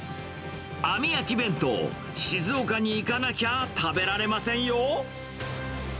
あみ焼き弁当、静岡に行かなきゃ食べられませんよ。